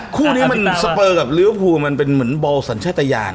คู่นี้สเปอร์กับลิวฮูลุ้นมันเป็นเหมือนบอลสัญชาตยานอะ